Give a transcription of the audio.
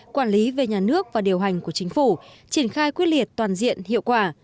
quản lý về nhà nước và điều hành của chính phủ triển khai quyết liệt toàn diện hiệu quả